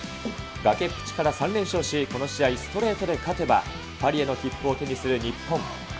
崖っぷちから３連勝し、この試合ストレートで勝てば、パリへの切符を手にする日本。